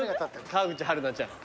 川口春奈ちゃん。